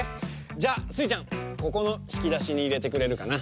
じゃあスイちゃんここのひきだしにいれてくれるかな。